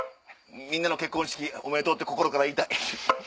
みんなの結婚式おめでとう！って心から言いたい。